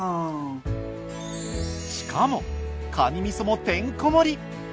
しかもかにみそもてんこ盛り。